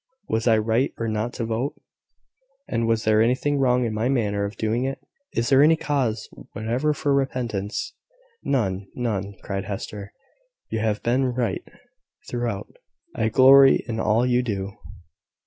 Was I right or not to vote? and was there anything wrong in my manner of doing it? Is there any cause whatever for repentance?" "None, none," cried Hester. "You have been right throughout. I glory in all you do."